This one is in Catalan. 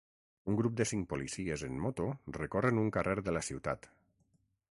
Un grup de cinc policies en moto recorren un carrer de la ciutat.